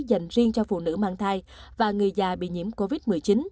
dành riêng cho phụ nữ mang thai và người già bị nhiễm covid một mươi chín